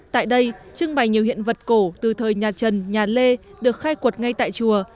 tại đây trưng bày nhiều hiện vật cổ từ thời nhà trần nhà lê được khai quật ngay tại chùa